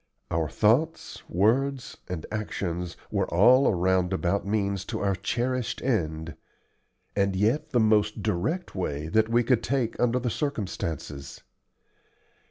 Our thoughts, words, and actions were all a roundabout means to our cherished end, and yet the most direct way that we could take under the circumstances.